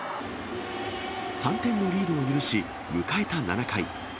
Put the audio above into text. ３点のリードを許し、迎えた７回。